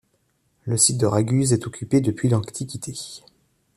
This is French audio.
Le site de Raguse est occupé depuis l'Antiquité.